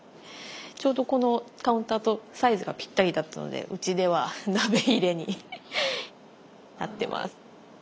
ちょうどこのカウンターとサイズがぴったりだったのでうちでは鍋入れになってます。